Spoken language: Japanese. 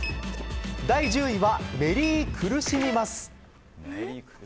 第１０位はメリー苦しみます。